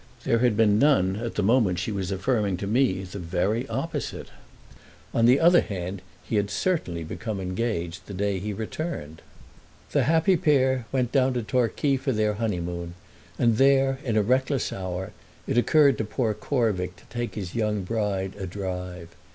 There had been none at the moment she was affirming to me the very opposite. On the other hand he had certainly become engaged the day he returned. The happy pair went down to Torquay for their honeymoon, and there, in a reckless hour, it occurred to poor Corvick to take his young bride a drive.